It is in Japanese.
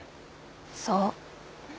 そう。